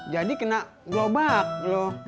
jadi kena gelobak lu